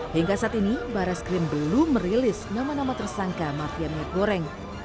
hingga saat ini baras krim belum merilis nama nama tersangka mafia miat goreng